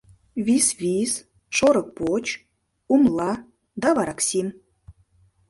— Висвис, шорыкпоч, умла да вараксим...